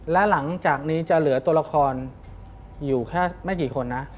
และหลังจากนี้จะเหลือตัวละครอยู่แค่ไม่กี่คนนะ